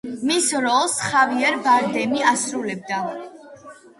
მის როლს ხავიერ ბარდემი ასრულებს.